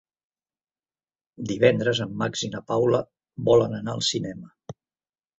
Divendres en Max i na Paula volen anar al cinema.